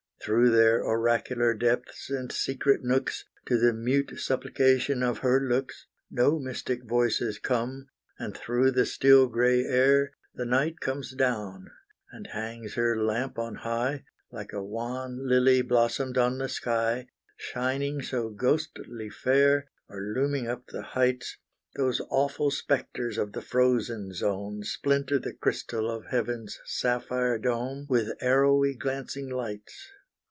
Through their oracular depths and secret nooks, To the mute supplication of her looks No mystic voices come And through the still grey air The night comes down, and hangs her lamp on high, Like a wan lily blossomed on the sky, Shining so ghostly fair, Or looming up the heights, Those awful spectres of the frozen zone Splinter the crystal of heaven's sapphire dome, With arrowy glancing lights.